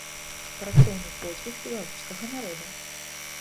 Працоўны подзвіг беларускага народа.